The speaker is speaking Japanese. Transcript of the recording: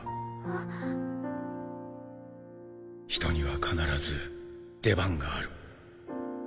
人には必ず出番がある